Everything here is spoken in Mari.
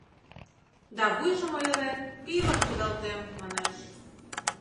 Да вуйжым ойырен, пийлан кудалтем, манеш.